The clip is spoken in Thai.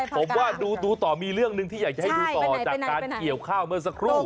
ผมว่าดูต่อมีเรื่องหนึ่งที่อยากจะให้ดูต่อจากการเกี่ยวข้าวเมื่อสักครู่